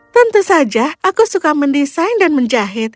tentu saja aku suka mendesain dan menjahit